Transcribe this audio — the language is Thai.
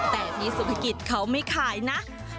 แต่พี่สุภกิจเขาไม่ขายนะ